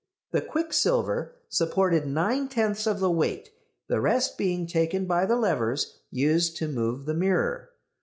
The quicksilver supported nine tenths of the weight, the rest being taken by the levers used to move the mirror.